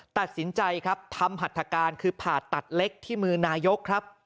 ตัดสินใจครับทำหัตถการคือผ่าตัดเล็กที่มือนายกครับ